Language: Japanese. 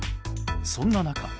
そんな中。